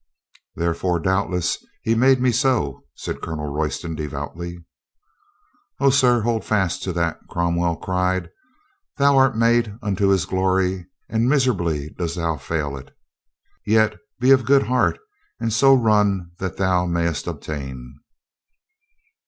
"Therefore, doubtless, He made me so," said Colonel Royston devoutly. "O, sir, hold fast to that !" Cromwell cried. "Thou art made unto His glory and miserably dost thou fail it. Yet be of good heart and so run that thou mayest obtain."